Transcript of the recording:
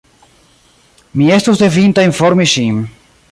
Mi estus devinta informi ŝin.